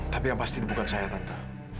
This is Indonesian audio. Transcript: tapi yang pasti bukan saya tante